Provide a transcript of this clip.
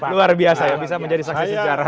luar biasa ya bisa menjadi saksi sejarah